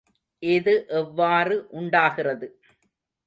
இது எவ்வாறு உண்டாகிறது?